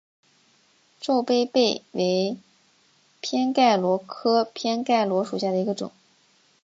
皱杯贝为偏盖螺科偏盖螺属下的一个种。